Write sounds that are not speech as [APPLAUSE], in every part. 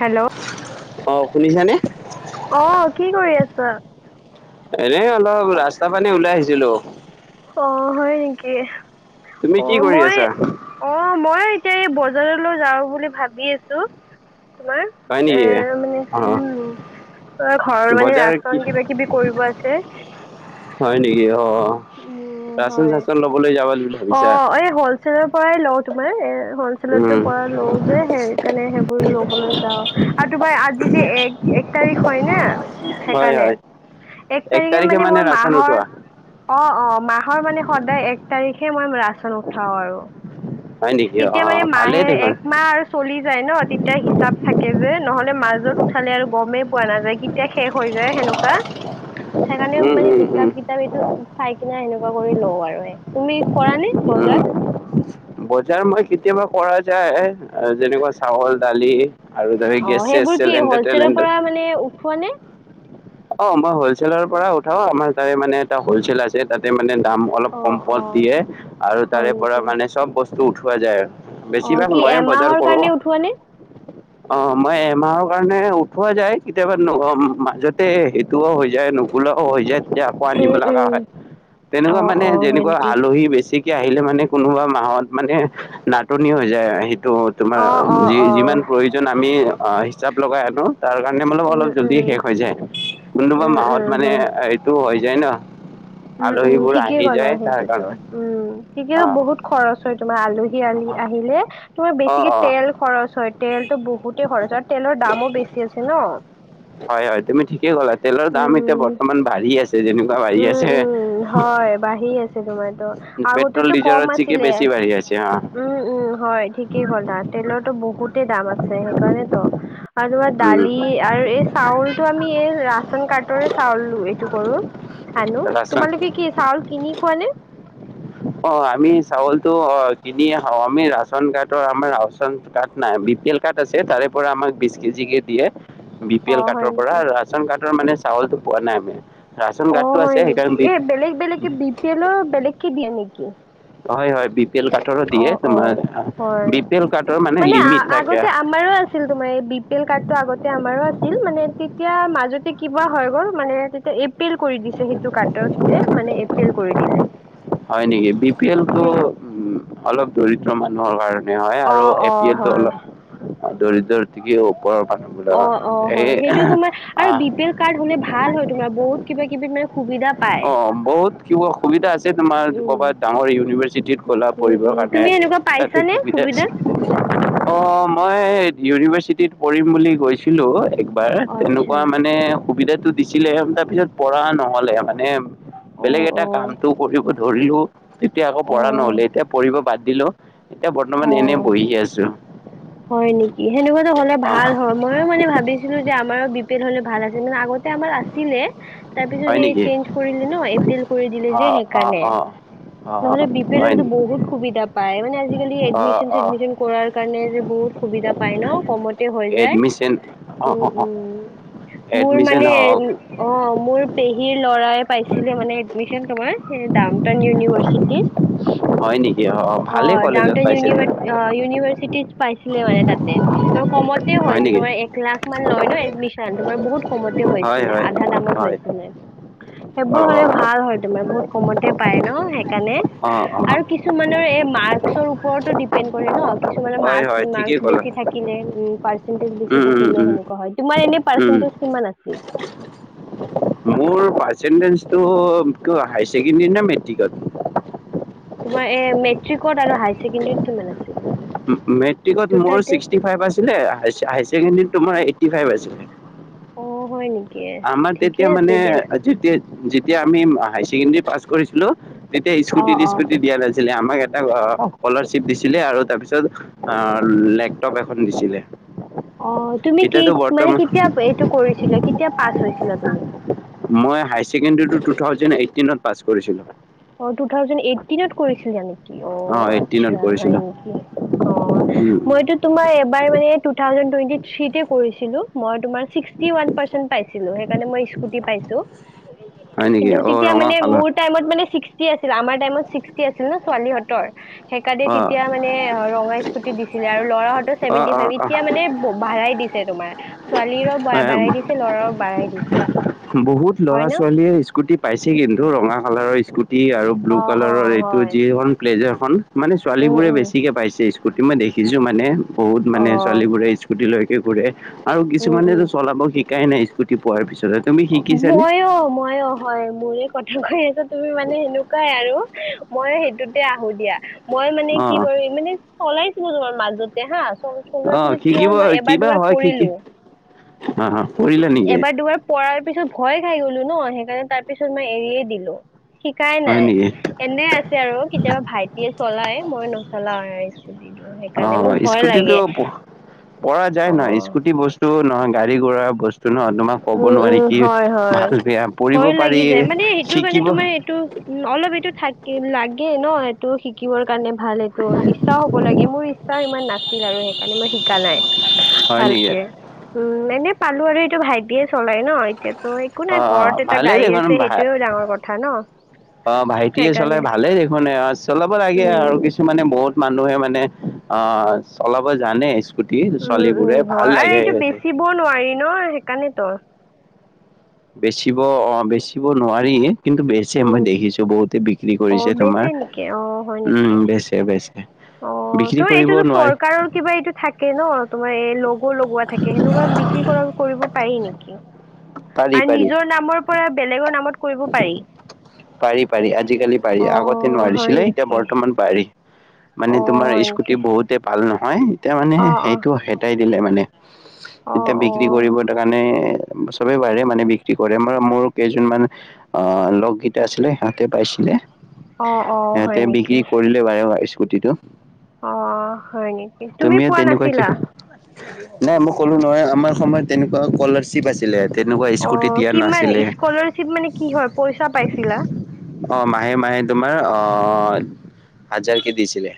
Hello, অ শুনিছানে অ', কি কৰি আছা? এনে অলপ ৰাস্তা ফানে ওলাই আহিছিলোঁ। অ', হয় নেকি তুমি কি অ', কৰি মই আছা অ', মই এতিয়া এই বজাৰলৈ যাওঁ বুলি ভাবি আছো তোমাৰ। হয় এ, নেকি মানে অ উম, [UNINTELLIGIBLE] ঘৰৰ মানে বজাৰ কি ৰাচন কিবা কিবি কৰিব আছে। হয় নেকি অ', উম ৰাচন হয় চাচন লবলৈ যাবাল বুলি অ ভাবিছা? [UNINTELLIGIBLE] পৰাই লওঁ তোমাৰ এ হলচেলটো উম পৰা লওঁ। যে সেইকাৰণে সেইবোৰ লবলৈ যাওঁ, আৰু তোমাৰ আজি যে এক-এক তাৰিখ হয়নে। হয় সেইকাৰণে, হয় এক তাৰিখে মানে মই মাহৰ অ', অ', মাহৰ মানে সদায় এক তাৰিখে মই ৰাচন উঠাও আৰু। হয় নেকি তেতিয়া অ মানে ভালেই মাহে দেখোন একমাহ আৰ চলি যায় ন' তেতিয়া হিচাপ থাকে যে নহ'লে মাজত উঠালে আৰু গমে পোৱা নাযায় কি তিয়া শেষ হৈ যায় সেনেকুৱা, সেইকাৰণে উম মানে উম উম হিচাপ কিতাপ এইটো চাই কিনে সেনেকুৱা কৰি লও আৰু এ, তুমি কৰানে বজাৰ? উম বজাৰ মই কেতিয়াবা কৰা যায় আ, যেনেকুৱা চাউল দালি। আৰু ধৰি অ', গেছ চেছ সেইবোৰ কি চিলিণ্ডাৰ হ'লচেলৰ টেলেণ্ডাৰ পৰা মানে উঠোৱা নে? অ মই হলচেলৰ পৰা উঠাও আমাৰ তাৰে মানে এটা হলচেল আছে। তাতে মানে দাম অলপ অ অ কমপত দিয়ে আৰু হয় তাৰে পৰা নেকি মানে চব বস্তু উঠোৱা যায় অ বেছিভাগ কি মইয়ে বজাৰ এমাহৰ কৰো। কাৰণে উঠোৱা নে অ মই এমাহৰ কাৰণে উঠোৱা যায় কেতিয়াবা অ মাজত তে সেইটোও হৈ যায় নুকোলাও হৈ যায় তে আপ খোৱা নিব উম উম লাগা হয় অ তেনেকুৱা মানে অ হয় যেনেকুৱা নেকি আলহী বেছি আহিলে মানে কোনোবা মাহত মানে নাটনি হৈ যায় আ সেইটোত। তোমাৰ অ অ যি অ যিমান প্ৰয়ো প্ৰয়োজন আমি হিচাপ লগাই আনো তাৰ কাৰণে হলো উম অলপ জল্দি উম শেষ হৈ যায়। কোনোবা উম মাহত উম মানে হয় এইটো হৈ যায় ন উম উম আলহীবোৰ ঠিকে আহি ক'লা যায় তাৰ সেইটোতো কাৰণে উম ঠিকে বহুত খৰচ হয় তোমাৰ আলহী আহি অ আহিলে তোমাৰ অ বেছিকে অ তেল খৰচ হয় তেলতো বহুতে খৰচ হয় আৰু তেলৰ দামো বেছি আছে ন [INAUDIBLE] হয় হয় তুমি ঠিকে ক'লা তেলৰ দাম এতিয়া উম বৰ্তমান বাঢ়ি আছে যেনে বাঢ়ি উম আছে উম হয় বাঢ়ি আছে তোমাৰতো পেট্ৰল আগতেতো ডিজেল কম চিকি আছিলে বেছি বাঢ়ি আছে অ উম, উম হয় ঠিকেই কলা তেলৰটো বহুতে দাম আছে সেইকাৰণে ত'। আৰু তোমাৰ উম দালি আৰু এই চাউলটো আমি এই ৰাচন কাৰ্টৰে চাউল এইটো কৰো। আনো ৰাচন তোমালোকে কি চাউল কিনি খোৱা নে অ আমি চাউলতো অ কিনিয়ে খাওঁ আমি ৰাচন কাৰ্টৰ আমাৰ ৰাচন কাৰ্ট নাই বি পি এল কাট আছে তাৰে পৰা আমাক দিছে কেজিকে দিয়ে বি পি অ এল হয় কাৰ্টৰ পৰা নেকি আৰু ৰাচন কাৰ্টৰ মানে চাউলটো পোৱা নাই আমি। ৰাচন অ কাৰ্ডটো আছে হয় নেকি সেইকাৰণে বি এ বেলেগ বেলেগকে বি পি এলৰ বেলেগকে দিয়ে নেকি হয় হয় বি পি এল কাৰ্টৰো অ দিয়ে অ তোমাৰ হয় বি পি এল কাৰ্টৰ মানে লিমিট থাকে। ছিল তোমাৰ এ বি পি এল কাৰ্টটো আগতে আমাৰ আছিল মানে তেতিয়া মাজতে কিবা হৈ গ'ল মানে তেতিয়া এইব পিল কৰি দিছে সেইটো কাৰ্ডতে মানে এ পি এল কৰি দিলে। হয় নেকি বি পি এল টো সেই উম অলপ দৰিদ্ৰ মানুহৰ কাৰণে নে হয় অ আৰু এ অ পি এলটো হয় অলপ আ দৰিদ্ৰ থাকি ওপৰ ওপৰ মানুহবোৰৰ অ অ এই হয় এহ‌ সেইটো তোমাৰ আ আৰু বি পি এল কাৰ্ড হ'লে ভাল হয় তোমাৰ বহুত কিবা কিবি মানে সুবিধা পায় অ বহুত কিবা সুবিধা আছে তোমাৰ উম কবাত ডাঙৰ ইউনিভাৰ্চিটিত গ'লা উম পঢ়িব উম কাৰণে। তুমি এনেকুৱা তাতে পাইছানে সুবিধা দিছে অ মই ইউনিভাৰ্চিটিত পঢ়িম বুলি গৈছিলোঁ। একবাৰ আচ্ছা তেনেকুৱা মানে সুবিধাটো দিছিলে তাৰপিছত পঢ়া নহ'লে মানে অ বেলেগ এটা অ কামটো কৰিব ধৰিলো তেতিয়া আকৌ পঢ়া অ নহ'লে এতিয়া পঢ়িব বাদ দিলো। এতিয়া অ বৰ্তমান এনে বহি আছো। হয় নেকি সেনেকুৱাতো হ'লে অ ভাল হম। মইও মানে ভাবিছিলো যে আমাৰো বি পি এল হ'লে ভাল আছিল মানে আগতে আমাৰ আছিলে। তাৰপিছত হয় সেই নেকি চেন্স কৰিলে ন' এ পি এল কৰি দিলে অ যে অ সেইকাৰণে। অ অ নহ'লে বি পি হয় এলো নেকি বহুত সুবিধা পায় মানে আজিকালি অ এডমিচন অ চেডমিচন কৰাৰ কাৰণে যে বহুত সুবিধা পাই ন' কমতে হৈ যায়। এডমিশন অ উম অ উম মোৰ এডমিশন মানে হওক অ মোৰ পেহীৰ ল'ৰাই পাইছিলে মানে এডমিচন তোমাৰ। সেই ডাউন টাউন ইউনিভাৰ্চিটি। হয় নেকি অ ভালেই ডাউন কলেজত টাউন পাইছে দে ইউনিভা অ ইউনিভাৰ্চিটিত পাইছিলে মানে তাতে। আৰু কমতে হয় হৈছে নেকি তোমাৰ এক লাখ মান লয় ন' এডমিশন তোমাৰ বহুত কমতে হয় হৈছিলে। হয় আধা দামত হয়। অ সেইবোৰ হ'লে ভাল হয় তোমাৰ বহুত কমতে পায় ন' সেইকাণে। অ অ অ আৰু কিছুমানৰ এই মাৰ্ক্সৰ ওপৰতো ডিপেণ্ড কৰে ন' কিছুমানৰ মা- হয় হয় ঠিকেই মাৰ্ক্স ক'লা বেছি থাকিলে উমঁ, পাৰ্চেন্টেজ বেছি উম থাকিলে উম সেনেকুৱা হয়। তোমাৰ এনে উম উম পাৰ্চেন্টেজ কিমান আছিল। মোৰ পাৰ্ছেনতেনষ্টো কিয় হাই ছেকেণ্ডি নে মেট্ৰিকত? তোমাৰ এ, মেট্ৰিকত আৰু হাই ছেকেণ্ডেৰীটো কিমান আছিল? উমঁ, উমঁ, মেট্ৰিকত মোৰ দুটাতে ছিক্সটি ফাইভ আছিলে হাইছ-হাই ছেকেণ্ডত তোমাৰ এইটি ফাইভ আছিলে। অহ, হয় নি? আমাৰ তেতিয়া মানে, অ' যেতিয়া- যেতিয়া আমি ম' হাই ছেকেণ্ডাৰী পাছ কৰিছিলোঁ, তেতিয়া অ অ স্কুটী-টিচকুটী দিয়া নাই। ছিলে আমাক এটা অ' স্কুলাৰশ্বিপ দিছিলে আৰু তাৰ পিছত- অঁ লেপটপ এখন দিছিলে। অহ, তুমি কি এতিয়াতো মানে বৰ্তমান কেতিয়া পে' এইটো কৰিছিলা? কেতিয়া পাছ হৈছিলা তুমি‌? মই হাই ছেকেণ্ডৰীটো টু থাউচণ্ড এইটিনত পাছ কৰিছিলোঁ। অঁ টু থাউজেণ্ড এইটিনত কৰিছিলা নেকি? অঁ এইটিনত আচ্ছা হয় কৰিছিলোঁ নেকি। অঁ মইতো- তোমাৰ এবাৰ মানে টু থাউচণ্ড টুৱেণ্টি থ্ৰীতে কৰিছিলোঁ। মই তোমাৰ ছিক্সটি ৱান- পাৰ্চেন্ট পাইছিলোঁ, সেইকাৰণে মই স্কুটী পাইছোঁ। হয় নেকি কিন্তু অঁ তিতিয়া ৰঙা মানে কালাৰ মোৰ- টাইমত মানে ছিক্সটি আছিল। আমাৰ টাইমত ছিক্সটি আছিল ন, ছোৱালীহঁতৰ। সেইকাৰণে অঁ তেতিয়া মানে হ' ৰঙা স্কুটী দিছিলে। আৰু ল'ৰাহঁতৰ অঁ ছেভেনটি অঁ ফাইভ। অঁ এতিয়া মানে ব' বাঢ়াই দিছে। ছে তোমাৰ। ছোৱালীৰও বা' বাঢ়াই দিছে, ল'ৰাও বাঢ়াই দিছে। বহুত হয় ন? ল'ৰা-ছোৱালী- য়ে স্কুটী পাইছে কিন্তু। ৰঙা কালাৰৰ স্কুটি আৰু ব্লু অ অ কালাৰৰ এইটো হয় যিখন- প্লেজাৰখন মানে উম ছোৱালীবোৰে উম বেছিকে পাইছে স্কুটী, মই দেখিছোঁ মানে- বহুত অ মানে ছোৱালীবোৰে স্কুটীলৈকে ঘুৰে। আৰু উম কিছুমানেটো উম চলাব শিক- কাই নাই স্কুটি পোৱাৰ পিছত। অঁ, মইয়ো মইয়ো। হয়। মোৰে কথা কৈ আছা তুমি মানে, সেনেকুৱাই আৰু। মইয়ো সেইটোতে আহোঁ দিয়া। মই মানে কি অঁ কৰি, মানে চলাইছিলোঁ তোমাৰ মাজতে হা চ- অহ, শিকিবৈ কিবা হয় শিকি, অহ। এবাৰ-দুবাৰ পৰাৰ পিছত ভয় খাই গ'লোঁ ন। সেইকাৰণে তাৰ পিছত মই এৰিয়ে দিলোঁ। শিকাই হয় নাই। নেকি এনে আছে আৰু কেতিয়াবা ভাইটিয়ে চলায়, মই নচলাওঁ আৰু স্কুটী। অহ, স্কুটীটো প' পৰা যায় নাই অ স্কুটী- তু নহ, গাড়ী-ঘোৰা বচ- তু ন', তোমাক ক'ব উম নোৱাৰি উম কি, হয় হয়। ভাল-বেয়া পঢ়িব পাৰি। শিকিব- তু, ম' অল এভিটো থাকে লাগে ন এইটো শিকীবৰ কাৰণে ভালেটো ইচ্ছাও হ'ব লাগে। মোৰ ইচ্ছাও ইমান নাছিল আৰু, সেইকাৰণে মই শিকা নাই। হয় নেকি ভালকে উমঁ, এনে পালোঁ আৰু এইটো ভাইটিয়ে চলাই ন এতিয়া। ত' একো অ অ নাই ঘৰত এটা ভালেই গাড়ী দেখোন আছে, সেইটোৱে ডাঙৰ কথা ন। অঁ ভাইটিয়ে সেইকাৰণে চলাই ভালে দেখোন অ' চলাব লাগে উম। আৰু কিছ- কিছুমান বহুত মানুহে মানে অঁ চলাব জানে ইচ- কুটী ছোৱালীবোৰে ভাল লাগে সিহঁতে- ব নোৱাৰি ন। সেইকাৰণেটো। বেচিব অঁ বেচিব নোৱাৰি। কিন্তু বেচে, উম। মই দেখিছো বহুতে বিক্ৰী অ কৰিছে তোমাৰ, বেচে নেকি অ হয় উম, নেকি? বেচে বেচ অ', ত' এইটোতো চৰকাৰৰ কিবা এইটো থাকে ন, তোমাৰ এই ল গো লগোৱা থাকে, সেনেকুৱা বিক্ৰী কৰা, কৰিব পাৰি নেকি, পাৰি আৰু পাৰি নিজৰ নামৰ পৰা বেলেগৰ নামত কৰিব পাৰি। পাৰি, পাৰি, আজিকালি পাৰি, আগতে অ' হয় নোৱাৰিছিলে, এতিয়া নেকি বৰ্তমান পাৰি। মানে অ' তোমাৰ হয় স্কুটী নেকি বহুতে পাল নহয়, এতিয়া মানে, অ' অ' সেইটো হেতাই দিলে মানে এতিয়া অ' বিক্ৰী কৰিব অ' দ মানে চবে পাৰে, মানে বিক্ৰী কৰে, মই মোৰ কেইজনমান আহ' লগ টা আছিলে সিহঁতে পাইছিলে, অ' অ' হয় সিহঁতে বিক্ৰী নেকি কৰিলে বাৰু স্কুটীটো। অ', হয় নেকি, তুমি পোৱা তেনেকুৱা নাছিলা? কিয় নাই মই ক'লোঁ নহয়, আমাৰ সময়ত তেনেকুৱা স্কলাৰশ্বিপ আছি লে তেনেকুৱা স্কুটি অ' দিয়া কিমান নাছিলে। স্কলাৰশ্বিপ মানে কি হয় পইচা পাইছিলা অ', মাহে মাহে তোমাৰ আহ হাজাৰ কে দিছিলে।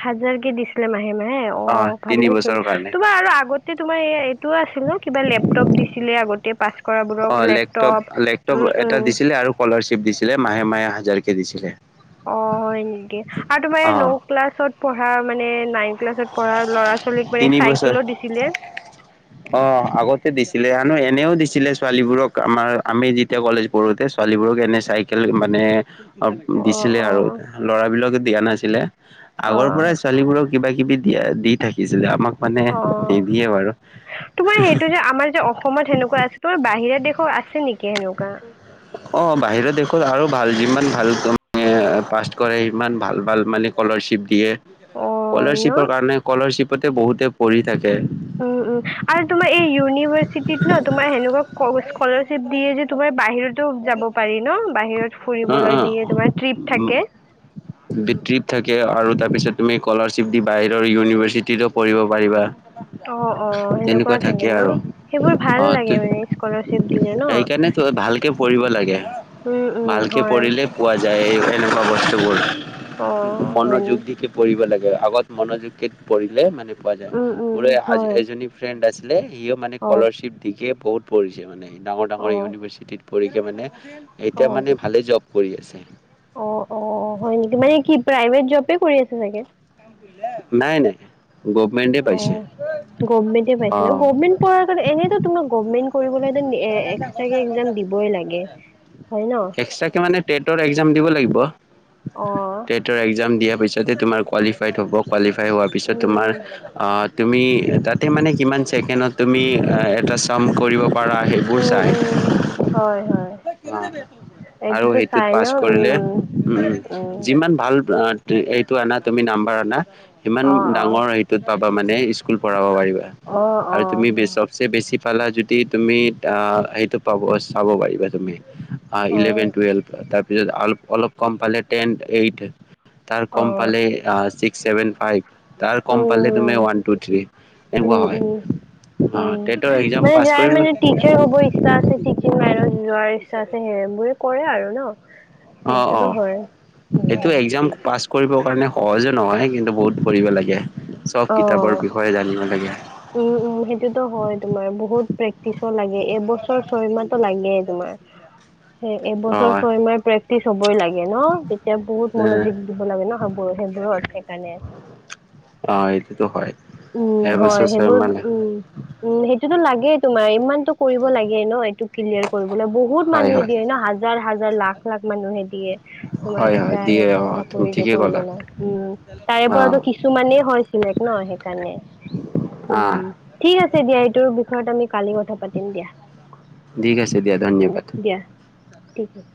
হাজাৰ কে দিছিলে মাহে মাহে অ', তিনি ভালে চোন বছৰৰ কাৰণে তোমাৰ আৰু আগতে এ তোমাৰ এই এইটোও আছিল ন কিবা লেপটপ দিছিলে আগতে পাছ কৰা অ বোৰক লেপটপ, লেপটপ উম এটা উম। দিছিলে আৰু স্কলাৰশ্বিপ দিছিলে মাহে মাহে হাজাৰকে দিছিলে। অ', হয় নেকি আৰু তোমাৰ অ ন ক্লাছত পঢ়া মানে নাইন ক্লাছত পঢ়া ল'ৰা ছোৱালীক মানে তিনি বছৰ চাইকেলো দিছিলে। অ', আগতে দিছিলে আৰু এনেও দিছিলে ছোৱালীবোৰক আমাৰ আমি যি এতিয়া কলেজ পঢ়োতে ছোৱালীবোৰক এনে চাইকেল মানে অ', দিছিলে আৰু ল'ৰা বিলাকক দিয়া নাছিলে, অ আগৰ পৰাই ছোৱালীবোৰক কিবা কিবি এয়া দি থাকিছিলে, আমাক মানে, অ নিদিয়ে বাৰু। তোমাৰ সেইটো যে আমাৰ যে অসম অসময়ত সেনেকুৱা আছে, তোমাৰ বাহিৰা দেশৰ আছে নেকি সেনেকুৱা। অ', বাহিৰত দেখো আৰু ভাল যিমান ভাল পাষ্ট কৰে সিমান ভাল, ভাল মানে স্কলাৰশ্বিপ দিয়ে, অ ন স্কলাৰশ্বিপৰ কাৰণে স্কলাৰশ্বিপতে বহুতে পঢ়ি থাকে। উম উম, আৰু তোমাৰ এই ইউনিভাৰ্চিটিত ন, তোমাৰ সেনেকুৱা স্কলাৰশ্বিপ দিয়ে যে তোমাৰ বাহিৰত তো যাব পাৰি ন বাহিৰত অ', ফুৰিবলৈ দিয়ে, তোমাৰ ট্ৰিপ থাকে। বৃত্তি থাকে আৰু তাৰপিছত তুমি স্কলাৰশ্বিপ দি বাহিৰৰ ইউনিভাৰচিটিতো পঢ়িব পাৰিবা। অ', অ', সেনেকুৱা তেনেকুৱা থাকে ন, আৰু সেইবোৰ অ ভাল লাগে মানে স্কলাৰচিপ দিলে ন। সেইকাৰণে ত ভালকে পঢ়িব লাগে। উম উম হয়। পঢ়িলেই পোৱা যায়, এই এনেকুৱা বস্তুবোৰ। অ হয় নি মনোযোগ দিকে পঢ়িব লাগে, আগত মনোযোগ দি পঢ়িলে মানে পোৱা যায়, উম মোৰ উম এই আজি হয় এইজনী ফ্ৰেণ্ড আছিলে, সিঁও মানে অ স্কলাৰশ্বিপ দি দিকে বহুত পঢ়িছে মানে, ডাঙৰ ডাঙৰ অ ইউনিভাৰ্চিটিত। পঢ়িকে মানে, এতিয়া অ মানে ভালে জব কৰি আছে। অ', অ', হয় নেকি, মানে কি প্ৰাইভেট জবে কৰি আছে চাগে। নাই নাই। গভমেণ্ট। অ', গভমেণ্টে পাইছে ন, গভমেন্ট পোৱা আগত এনে তোমাৰ গভৰমেণ্ট কৰিবলৈ যেন এক্সট্ৰা কে এক্সাম দিবই লাগে, হয় ন। এক্সাটাকে মানে টেটৰ এক্সাম দিব লাগিব, অঁ টেটৰ এক্সাম দিয়াৰ পিছতে তোমাৰ কোৱালিফাইড হ'ব। কোৱালিফাই হোৱাৰ পিছত তোমাৰ উম আঁ তুমি তাতে মানে কিমান চেকেণ্ডত তুমি এটা চাম কৰিব পাৰা। সেইবোৰ উম চায়। উম হয় হয়। আৰু এইটোতো সেইটোত চাই পাছ ন কৰিলে উম উম যিমান ভাল আঁ এইটো আনা তুমি নাম্বাৰ আনা ইমান অঁ অঁ ডাঙৰ সেইটোত পাবা মানে স্কুল পঢ়াব পাৰিবা। অঁ আৰু অঁ তুমি বেচক চে বেছি পালা যদি তুমি আঁ সেইটো পাব চাব পাৰিবা তুমি। অঁ ইলেভেন টোৱেলভ তাৰপিছত অলপ কম পালে টেন এইট তাৰ কম অঁ পালে অঁ ছিক্স ছেভেন ফাইভ তাৰ কম উম পালে তুমি ওৱান তু এনেকুৱা উম হয়। উম অঁ উম টেতৰ এক্সাম মানে পাছ যাৰ কৰিলো। মানে টিচাৰ হ'ব ইচ্ছা আছে টিচিং লাইনত যোৱাৰ ইচ্ছা আছে সেইবোৰে কৰে আৰু ন। অঁ সেইটোতো অঁ, হয় উম এইটো এক্সাম পাছ কৰিবৰ কাৰণে সহজে নহয় কিন্তু বহুত পঢ়িব লাগে, চব অঁ কিতাপৰ বিষয়ে জানিব লাগে। উম উম সেইটোতো হয়, তোমাৰ বহুত প্ৰেক্টিচো লাগে, এবছৰ ছয়মাহটো লাগে তোমাৰ। হে এবছৰ অ', ছয় মাহ প্ৰেক্টিচ হবই লাগে ন, তেতিয়া বহুত এ মনোযোগ দিব লাগে ন। সে বোৰৰ সেইবোৰৰ সেইকাৰণে অঁ এইটোতো হয়। উম হয় এবছৰ ছয় মাহ সেইবোৰ লাগে। উম উম সেইটোতো লাগেই তোমাৰ ইমানতো কৰিব লাগে ন এইটো ক্লিয়াৰ কৰিবলৈ বহুত হয়, মানুহে হয়, দিয়ে ন, হাজাৰ হাজাৰ লাখ লাখ মানুহে দিয়ে। তোমাৰ হয়, হয়, এটা দিয়ে সেইবোৰ অ', তুমি চাকৰিতটো ঠিকেই কৰিব ক'লা ন উম, তাৰে পৰাতো অ', কিছুমানেই বেলেগ ন সেইকাৰণে অ'। উম ঠিক আছে দিয়া এইটোৰ বিষয়ত আমি কালি ক থা পাতিম দিয়া, ঠিক আছে দিয়া উম ধন্যবাদ। দিয়া ঠিক আছে।